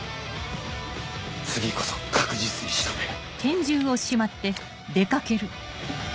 次こそ確実に仕留める。